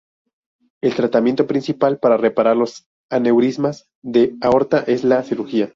El tratamiento principal para reparar los aneurismas de aorta es la cirugía.